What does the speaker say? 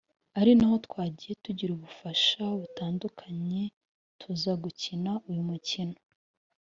ari naho twagiye tugira ubufasha butandukanye tuza gukina uyu mukino